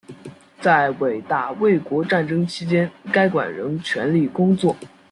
在伟大卫国战争期间该馆仍全力工作。